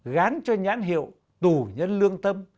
gán cho nhãn hiệu tù nhân lương tâm